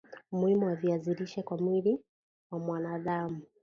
Umuhimu wa viazi lishe kwa mwili wa mwanadam